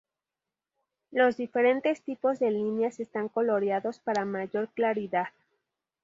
Los diferentes tipos de líneas están coloreados para mayor claridad.